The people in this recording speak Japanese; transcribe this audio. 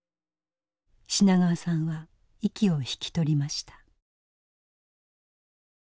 品川さんは息を引き取りました。